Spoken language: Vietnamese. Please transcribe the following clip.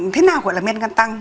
thế nào gọi là men gan tăng